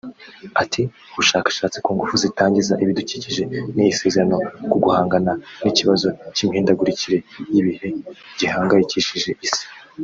Ati “Ubushakashatsi ku ngufu zitangiza ibidukikije ni isezerano kuguhangana n’ikibazo cy’imihindagurikire y’ibihe gihangayikishije Isi”